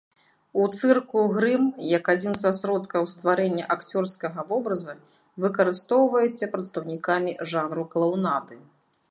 У цырку грым як адзін са сродкаў стварэння акцёрскага вобраза выкарыстоўваецца прадстаўнікамі жанру клаунады.